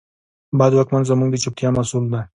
بد واکمن زموږ د چوپتیا محصول دی.